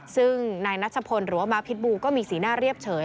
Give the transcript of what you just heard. ซึ่งนายนัชพลหรือว่ามาพิษบูก็มีสีหน้าเรียบเฉย